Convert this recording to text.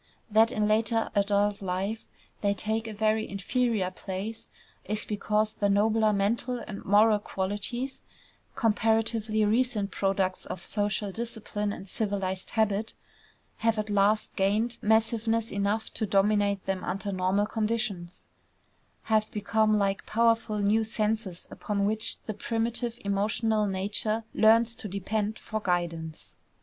That in later adult life they take a very inferior place is because the nobler mental and moral qualities comparatively recent products of social discipline and civilized habit have at last gained massiveness enough to dominate them under normal conditions; have become like powerful new senses upon which the primitive emotional nature learns to depend for guidance.